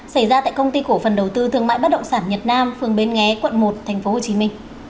xảy ra tại công ty cổ phần đầu tư thương mại bất động sản nhật nam phường bến nghé quận một tp hcm